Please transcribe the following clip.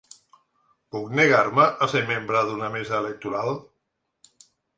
Puc negar-me a ser membre d’una mesa electoral?